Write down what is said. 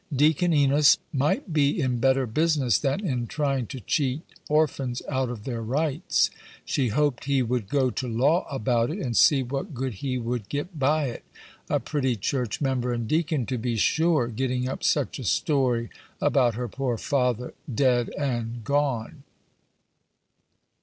"Deacon Enos might be in better business than in trying to cheat orphans out of their rights she hoped he would go to law about it, and see what good he would get by it a pretty church member and deacon, to be sure! getting up such a story about her poor father, dead and gone!"